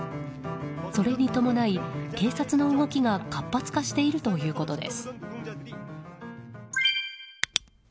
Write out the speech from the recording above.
それに伴い、警察の動きが活発化しているということです。